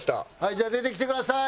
じゃあ出てきてください。